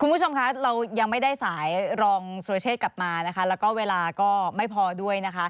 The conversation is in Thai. คุณผู้ชมค่ะเรายังไม่ได้สายรองสุรเชษกลับมาและเวลาก็ไม่พอด้วย